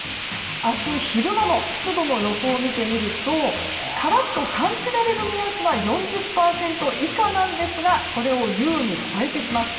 明日、昼間の湿度の予想を見てみるとカラッと感じられる目安は４０％以下なんですがそれを優に超えてきます。